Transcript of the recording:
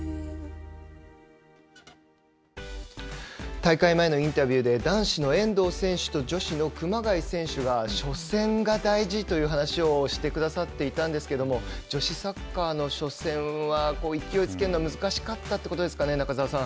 大会前のインタビューで男子の遠藤選手と女子の熊谷選手が初戦が大事という話をしてくださっていたんですけれども女子サッカーの初戦は勢いを付けるのは難しかったということですかね中澤さん。